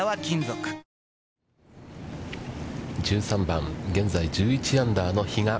１３番、現在１１アンダーの比嘉。